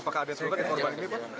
apakah ada selukan korban ini pak